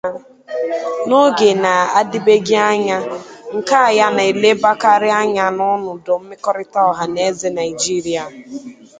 N'oge na-adịbeghị anya, nkà ya na-elebakarị anya n'ọnọdụ mmekọrịta ọha na eze Naịjirịa.